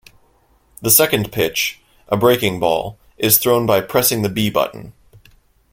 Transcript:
The second pitch, a breaking ball, is thrown by pressing the B button.